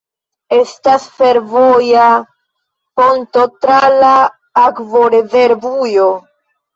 Estas fervoja ponto tra la akvorezervujo.